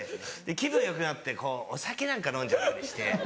気分よくなってお酒なんか飲んじゃったりして。